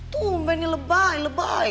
tumbe ini lebay lebay